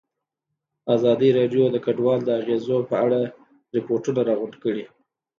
ازادي راډیو د کډوال د اغېزو په اړه ریپوټونه راغونډ کړي.